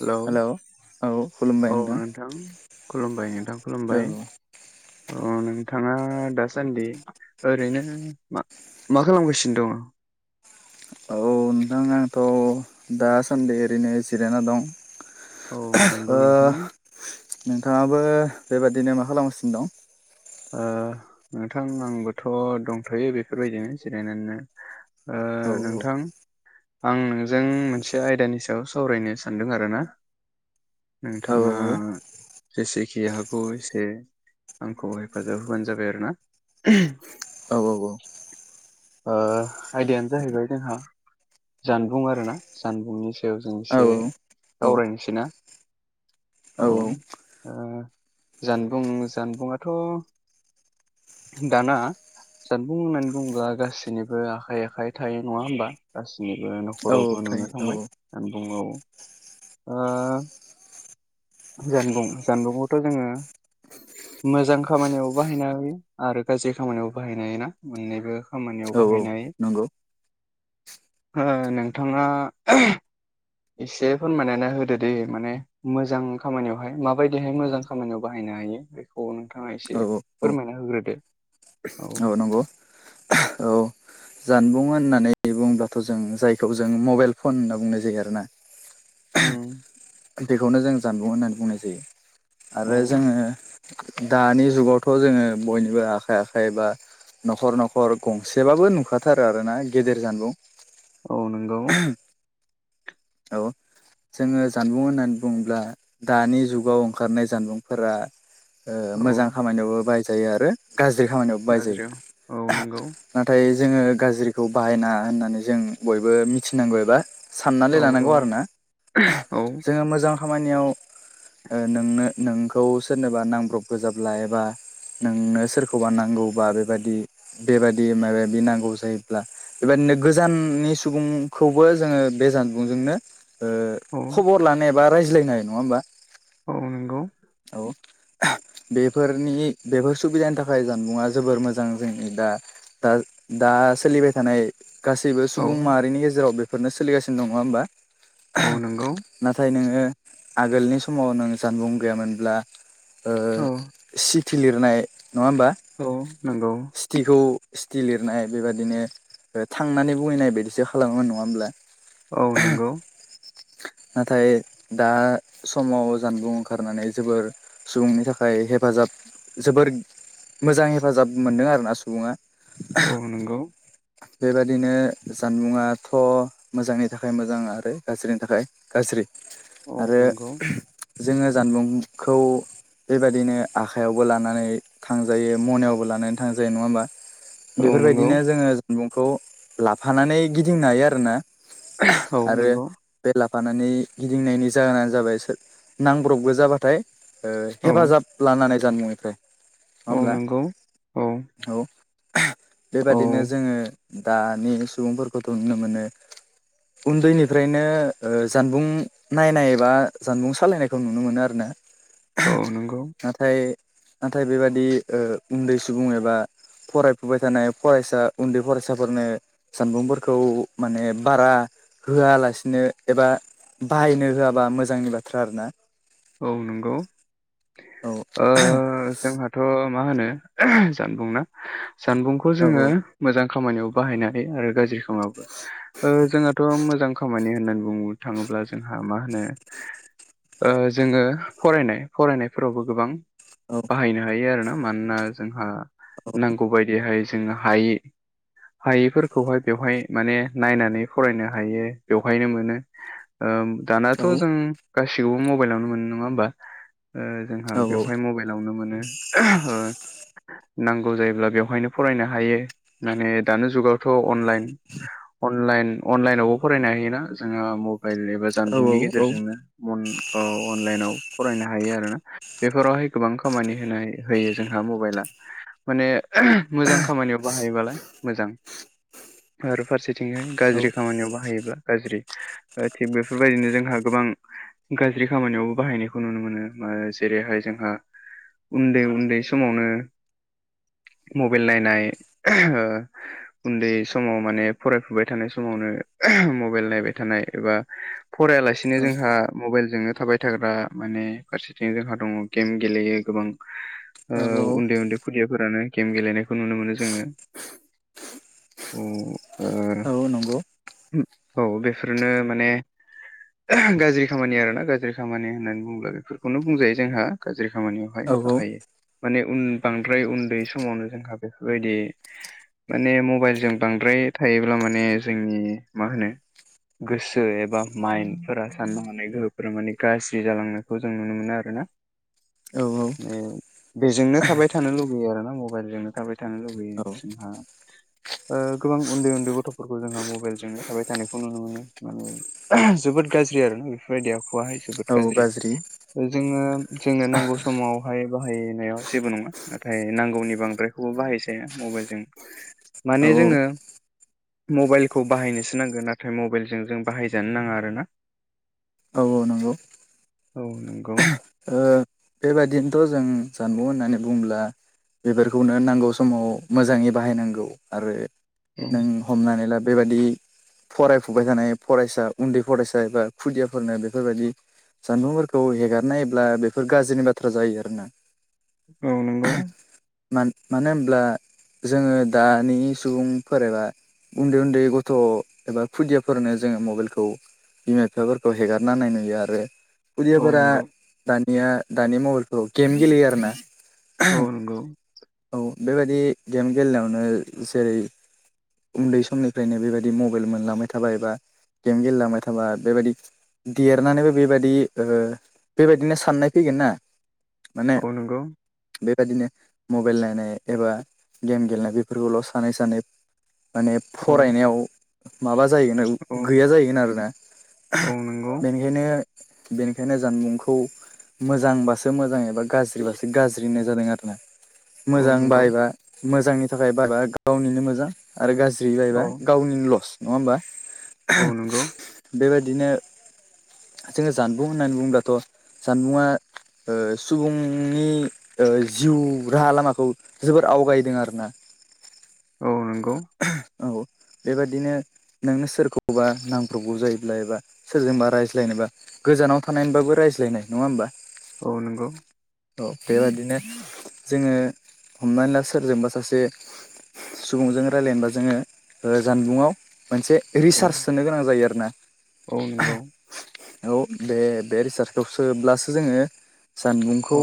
Hello. औ खुलुमबाय औ नोंथां खुलुमबाय नोंथां खुलुमबाय औ औ नों थाङा दासान्दि ओरैनो मा मा खालामगासिनो दङ? औ नोंथां आथ' दासान्दि ओरैनो जिरायना दं। औ नंगौ ओ नोंथां नोंथाङाबो बेबादिनो मा खालामगासिनो दं? ओ नोंथां आंबोथ' दंथ'यो बेफोरबायदिनो जिरायनानैनो। ओ दं औ नोंथां आं नोंजों मोनसे आयदानि सायाव सावरायनो सानदों आरो ना। औ नोंथाङा जेसेखि हागौ एसे आंखौहाय हेफाजाब होबानो जाबाय आरोना। औ ओ आयदायानो जाहैबाय जोंहा जानबुं आरोना जानबुंनि सायाव जों औ एसे सावरायनोसै ना? औ ओ जानबुं जानबुङाथ' दाना जानबुं होननानै बुङोब्ला गासिनिबो आखाइ आखाइ थायो नङा होमबा गासि निबो औ न'खरावबो थायो नुनो औ थांबाय जानबुं औ ओ जानबुं जानबुंआवथ' जोङो मोजां खामानियाव बाहायनो हायो आरो गाज्रि खामानियावबो बाहायनो हायोना मोननैबो खामानियाव औ औ बाहायनो हायो। [unintelligible] ओ नोंथाङा एसे फोरमायनानै होदो दे माने मोजां खामानियावहाय माबायदिहाय मोजां खामानियाव बाहाय नो हायो बेखौ नोंथाङा औ एसे औ औ फोरमायना होग्रोदो। औ नंगौ। औ जानबुं होननानै बुङब्लाथ' जों जायखौ जों मबाइल फन होनना बुंनाय जायो आरोना। उम। बेखौनो जों जानबुं होननानै बुंनाय जायो आरो औ जोङो दानि जुगावथ' जोङो बयनिबो आखाइ आखाइ बा न'खर न'खर गंसेबाबो नुखाथारो आरो ना गेदेर जानबुं । औ नोंगौ । औ । जोङो जानबुं होननानै बुङोब्ला दानि जुगाव ओंखारनाय जानबुंफोरा औ मोजां खामानियावबो बाहायजायो आरो । गाज्रि खामानियावबो बायहाजायो गाज्रियाव औ नंगौ नाथाय जोङो गाज्रिखौ बाहायनाङा होननानै जों बयबो मिथिनांगौ एबा सा औ नना औ लानांगौ आरोना औ जोङो मोजां खामानियाव नोंनो नोंखौ सोरनोबा नांब्रबगौ जाब्ला एबा । नोंनो सोरखौबा नांगौबा बेबादि बेबादि माबा माबि नांगौ जायोब्ला बेबायदि गोजाननि सुबुंखौबो जोङो बे जान जामबुंजोंनो औ खबर लानाय बा रायज्लायनाय नङा होमबा औ नंगौ [inaudible] बेफोरनि बेफोर सुबिदानि थाखाय जानबुंङा जोबोर मोजां जोंनि दा दा सोलिबाय थानाय गासैबो औ सुबुं माहारिनि गेजेराव बेफोरनो सोलिगासिनो दङ होमबा औ नंगौ नाथाय नोङो आगोलनि समाव नों जानबुं गैयामोनब्ला ओ औ सिथि लिरनाय नङा होमबा औ नंगौ सिथिखौ सिटि लिरनाय बेबायदिनो थांनानै बुहैनाय बायदिसो खालामोमोन नङा होमब्ला औ नंगौ । नाथाय दा समाव जानबुं ओंखारनानै जोबोर सुबुंनि थाखाय हेफाजाब जोबोर मोजां हेफाजाब मोनदों आरोना सुबुङा औ नंगौ । बेबादिनो जानबुंङाथ' मोजांनि थाखाय मोजां आरो गाज्रिनि थाखाय गाज्रि औ आरो नंगौ जोङो जानबुंखौ बेबायदिनो आखाइयावबो लानानै थांजायो मनायावबो लानानै थांजायो नङा होमबा? औ बेफोरबायदिनो नंगौ जोङो जानबुंखौ लाफानानै गिदिंनो हायो आरोना? औ आरो नंगौ बे ला फानानै गिदिंनायनि जाहोनानो जाबाय नांब्रबगो जाबाथाय औ हेफाजाब लानानै जानबुंनिफ्राय नङा औ होमब्ला नंगौ औ । बेबादिनो जोङो दानि सुबुंफोरखौथ' नुनो मोनो । उन्दैनिफ्रायनो जानबुं नायनाय एबा जानबुं सालायनायखौ नुनो मोनो आरो ना? औ नंगौ नाथाय नाथाय बेबादि उन्दै सुबुं एबा फरायफुबाय थानाय फरायसा उन्दै फरायसाफोरनो सानबुंफोरखौ माने बारा होआलासिनो एबा बाहायनो होआबा मोजांनि बाथ्रा आरो ना । औ नंगौ औ जोंहाथ' मा होनो जानबुं ना जानबुंखौ औ जोङो मोजां । खामानियाव बाहायनानै आरो गाज्रि समाव ओ जोंहाथ' मोजां खामानि होननानै बुंनो थाङोब्ला जोंहा मा होनो ओ जोङो फरायनाय फरायनायफोरावबो गोबां औ बाहायनो हायो आरोना मानोना जोंहा नांगौ बायदिहाय जोङो हायि हायिफोरखौहाय बेवहाय माने नायनानै फरायनो हायो बेवहायनो मोनो दानाथ' औ जों गासिखौबो मबाइलावनो मोनो नङा होमबा? जोंहा औ बेवहाय मबाइलावनो मोनो । नांगौ जायोब्ला बेवहायनो फरायनो हायो माने दानि जुगावथ' अनलाइन अनलाइन अनलाइनावबो फरायनो हायोना जोंहा । मबाइल एबा औ जानबुंनि औ गेजेरजोंनो मन अनलाइनाव फरायनो हायो आरोना बेफोरावहाय गोबां खामानि होनाय जायो जोंहा मबाइला माने मोजां खामानियाव बाहायोबालाय मोजां आरो फारसे थिंहाय गाज्रि खामानियाव बाहायोबा गाज्रि थिग बेफोरबायदिनो जोंहा गोबां गाज्रि खामानियावबो बाहायनायखौ नुनो मोनो आ जेरैहाय जोंहा उन्दै उन्दै समावनो मबाइल नायनाय उन्दै समाव माने फरायफुबाय थानाय समावनो मबाइल नायबाय थानाय एबा फरायालासिनो जोंहा मबाइलजोंनो थाबाय थाग्रा माने फारसेथिं जोंहा दङ गेम गेलेयो गोबां ओ औ औ उन्दै उन्दै खुदियाफोरानो गेम गेलेनायखौ नुनो मोनो जोङो। औ नंगौ। औ ओ बेफोरनो माने गाज्रि खामानि आरोना गाज्रि खामानि होननानै बुङोब्ला बेफोरखौनो बुंजायो जोंहा गाज्रि खामानियावहाय औ बाहायो। माने उन बांद्राय उन्दै समावनो जोंहा बेफोरबायदि माने मबाइलजों बांद्राय थायोब्ला माने जोंनि मा होनो गोसो एबा माइन्दफोरा साननो हानाय गोहो फोरा माने गाज्रि जालांनायखौ जों नुनो मोनो आरो ना। औ। बेजोंनो थाबाय थानो लुुबैयो आरोना मबाइलजोंनो थाबाय थानो। थानो लुबैयो औ जोंहा ओ गोबां उन्दै उन्दै गथ'फोरखौ जोंहा मबाइलजोंनो थाबाय थानायखौ नुनो मोनो माने जोबोद गाज्रि आरो ना बेफोरबायदियाव। आखुवाहाय जोबोद गाज्रि जोङो जोंनो नांगौ समावहाय बाहायनायाव जेबो नङा नाथाय नांगौनि बांद्रायखौबो बाहायजाया मबाइलजों। औ माने जोङो मबाइलखौ बाहायनोसो नांगो नाथाय मबाइलजों जों बाहायजानो नाङा आरोना। औ औ नंगौ औ नंगौ। ओ बेबायदिनोथ' जों जानबुं होननानै बुङोब्ला बेफोरखौनो नांगौ समाव मोजाङै बाहायनांगौ आरो औ नों हमनानै ला बेबायादि फरायफुबाय थानाय फरायसा उन्दै फरायसा एबा खुदियाफोरनो बेफोरबायदि जानबुंफोरखौ हेगारना होयोब्ला बेफोर गाज्रिनि बाथ्रा जायो आरोना। औ नोंगौ। मान मानो होनब्ला जोङो दानि सुबुंफोरा एबा उन्दै उन्दै गथ' एबा खुदियाफोरनो जोङो मबाइलखौ बिमा बिफाफोरखौ हेगारना होनाय नुयो आरो। औ खुदियाफोरा नंगौ दानिया दानि मबाइलखौ गेम गेलेयो आरो ना औ नंगौ। बेबायदि गेम गेलेनायावनो जेरै उन्दै समनिफ्रायनो बेबायदि मबाइल मोनलांबाय थाबा एबा गेम गेलेलांबाय थाबा बेबायदि देरनानैबो बेबायदि ओ बेबायदिनो साननाय फैगोन ना माने औ नंगौ। बेबायदिनो मबाइल नायनाय एबा गेम गेलेनाय बेफोरखौल' सानै सानै माने औ फरायनायाव माबा जायैगोन औ गैया जाहैगोन आरोना औ नंगौ बेनिखायनो बेनिखायनो जानबुंखौ मोजांबासो मोजां एबा गाज्रिबासो गाज्रि। ओरै होननाय जादों आरोना औ मोजां नंगौ बाहायबा मोजांनि थाखाय बाहायबा गावनिनो मोजां। आरो गाज्रि औ बाहायबा गावनि लस नङा होमबा? औ नंगौ बिदिनो जोङो जानबुं होननानै बुङोबथ' जानबुंङा ओ सुबुंनि ओ जिउ राहा लामाखौ जोबोर आवगायदों आरोना। औ नंगौ। औ । बेबादिनो नोंङो सोरखौबा नामखौ बुजायोब्ला एबा सोरजोंबा रायज्लायनाय- जेनबा गोजानाव थानानै बाबो रायज्लायनाय नङा होमबा? औ नंगौ औ बेबायदिनो जोङो हमनानै ला सोरजोंबा सासे सुबुंजों रायलायनोबा जोङो जानबुंआव मोनसे औ रिसार्च सोनो गोनां जायो आरोना। औ नंगौ औ बे बे रिसार्टखौ सोब्लासो जोङो जानबुंखौ औ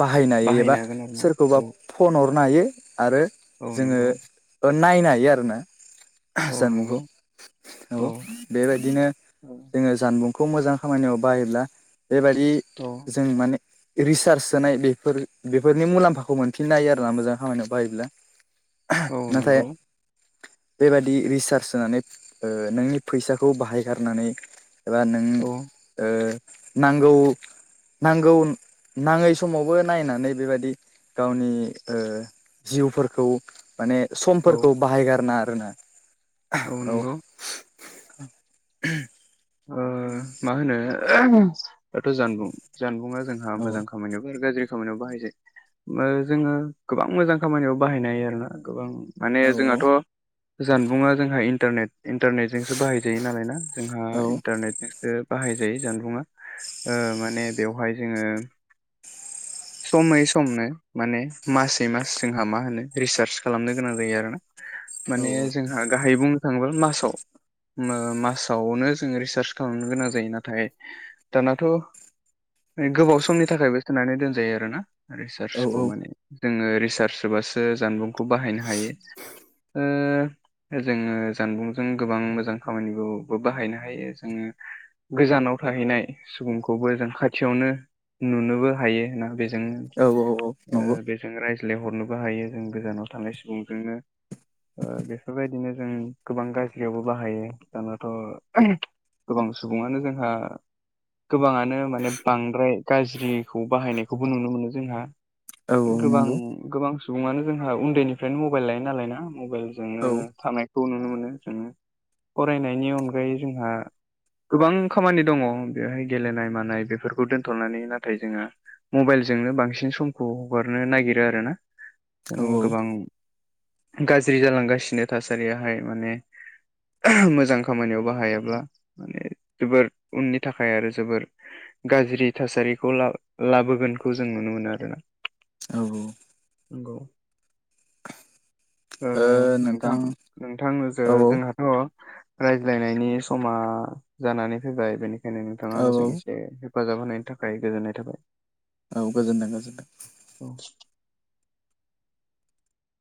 बाहायनो हायो एबा हागोन आरोना सोरखौबा औ फन हरनो हायो। आरो औ जोङो नंगौ थ नायनो हायो आरोना ओह औ नंगौ जानबुंखौ औ बेबायदिनो औ जोङो जानबुं खौ मोजां खामानियाव बाहायोब्ला बेबादि औ जों माने रिसार्च सोनाय बेफोर बेफोरनि मुलाम्फाखौ मोनफिननो हायो आरो ना मोजां खामानियाव बायोब्ला औ नंगौ बेबादि रिसार्ज सोनानै ओ नोंनि फैसाखौ बाहायगारनानै एबा नों औ ओ नांगौ नांगौ नाङै समावबो नायनानै बेबायदि गावनि ओ जिउफोरखौ माने औ समफोरखौ बाहायगारनाङा आरोना औ नंगौ ओहम ओ मा होनो दाथ' जानबुं जानबुंआ जोंहा औ मोजां खामानियाव आरो गाज्रि खामानियाव बाहायजायो ओ जोङो गोबां मोजां खामानियाव बाहायनो हायो आरोना गोबां माने औ जोंहाथ' जानबुंङा जोंहा इन्टारनेट इन्टारनेटजोंसो बाहायजायो नालाय ना जोंहा औ इन्टारनेटजोंसो बाहाय जायो जानबुंङा ओ माने बेवहाय जोङो [inaudible] समै समनो माने मासै मास जोंहा मा होनो रिसार्च खालामनो गोनां जायो आरो ना माने जोंहा गाहायै बुंनो थाङोब्ला मासाव मासावनो जोङो रिसार्च खालामनो गोनां जायो नाथाय दानाथ' गोबाव समनि थाखायबो सोनानै दोनजायो आरोना औ रिसार्चखौ माने जोङो रिसार्च सोबासो जानबुंखौ बाहायनो हायो ओ जोङो जानबुंजों गोबां मोजां खामानिखौबो बाहायनो हा हायो जोङो गोजानाव थाहैनाय सुबुंखौबो जों खाथियावनो नुनोबो हायो होनना बे बेजों औ औ औ नंगौ ओ बेजों रायज्लायहरनोबो हायो जों गोजानाव थानाय सुबुंजोंनो ओ बेफोरबायदिनो जों गोबां गाज्रियावबो बाहायो दानाथ' गोबां सुबुङानो जोंहा गोबाङानो माने बांद्राय गाज्रिखौ बाहायनायखौबो नुनो मोनो जोंहा औ औ गोबां नंगौ गोबां सुबुङानो जोंहा उन्दैनिफ्रायनो मबाइल लायो नालाय ना मबाइलजोंनो औ थानायखौ नुनो मोनो जोङो फरायनायनि अनगायै जोंहा गोबां खामानि दङ बेवहाय गेलेनाय मानाय बेफोरखौ दोन्थ'नानै नाथाय जोङो मबाइलजोंनो बांसिन समखौ हगारनो नागिरो आरो ना औ जोङो गोबां गाज्रि जालांगासिनो थासारियाहाय माने मोजां खामानियाव बाहायाब्ला माने जोबोर उननि थाखाय आरो जोबोर गाज्रि थासारिखौ ला लाबोगोनखौ जों नुनो मोनो आरोना औ नंगौ ओ नोंथां नोंथां जे औ जोंहाथ' रायज्लायनायनि समा जानानै फैबाय बेनिखायनो नोंथाङा आंजों औ एसे हेफाजाब होनायनि थाखाय गोजोननाय थाबाय औ गोजोन्थों-गोजोन्थों। [inaudible]